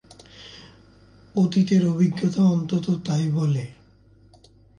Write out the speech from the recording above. অতীতের অভিজ্ঞতা অন্তত তা ই বলে।